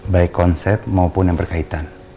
baik konsep maupun yang berkaitan